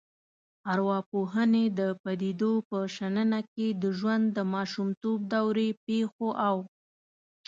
ارواپوهنې د پديدو په شننه کې د ژوند د ماشومتوب دورې پیښو او